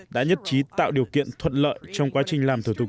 đã nhất trí tạo điều kiện thuận lợi trong quá trình làm thủ tục